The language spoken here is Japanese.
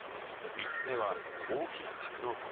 ３つ目は、大きな格納庫。